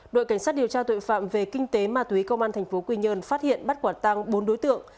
đội cảnh sát điều tra tội phạm về kinh tế ma túy công an thành phố quy nhơn phát hiện bắt quạt tăng bốn đối tượng